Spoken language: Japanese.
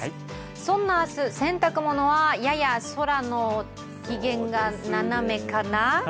そんな明日、洗濯物はやや空の機嫌がななめかな？